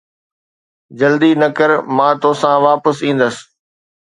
جلدي نه ڪر، مان توسان واپس ايندس